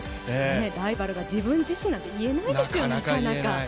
ライバルは自分自身なんて言えないですよ、なかなか。